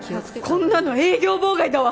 こんなの営業妨害だわ！